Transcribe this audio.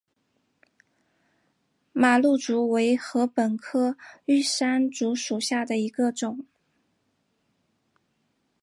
马鹿竹为禾本科玉山竹属下的一个种。